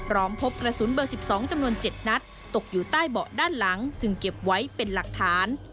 พร้อมพบกระสุนเบอร์๑๒จำนวน๗นัดตกอยู่ใต้เบาะด้านหลังจึงเก็บไว้เป็นหลักฐาน